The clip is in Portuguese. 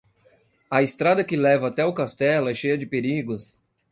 A estrada que leva até o castelo é cheia de perigos